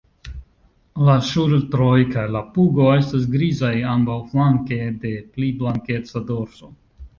La ŝultroj kaj la pugo estas grizaj ambaŭflanke de pli blankeca dorso.